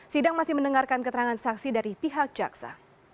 sidang masih mendengarkan keterangan saksi dari pihak jaksa